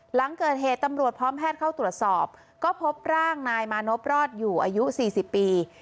หลังเกิดเหตุตำรวจพร้อมแพทย์เข้าตรวจสอบก็พบร่างนายมานพรอดอยู่อายุ๔๐ปี